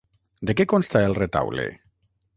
De què consta el retaule?